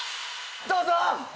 どうぞ！